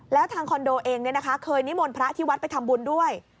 แล้วทางคอนโดเองเคยนิมนต์พระที่วัดไปทำบุญด้วย